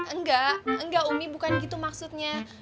enggak enggak umi bukan gitu maksudnya